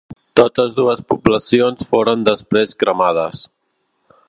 Totes dues poblacions foren després cremades.